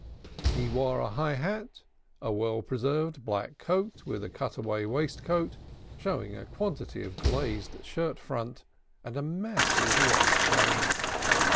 He wore a high hat, a well preserved black coat, with a cutaway waistcoat, showing a quantity of glazed shirtfront and a massive watch chain.